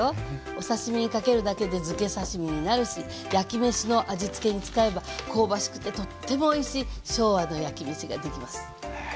お刺身にかけるだけでづけ刺身になるし焼きめしの味つけに使えば香ばしくてとってもおいしい昭和の焼きめしができます。